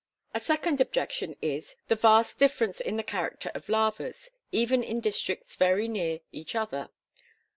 A second objection is, the vast difference in the character of lavas, even in districts very near each other.